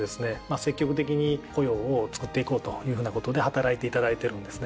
積極的に雇用をつくっていこうというふうなことで働いていただいているんですね。